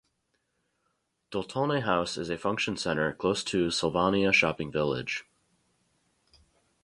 Doltone House is a function centre close to Sylvania Shopping Village.